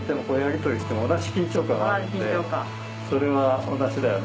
それは同じだよね。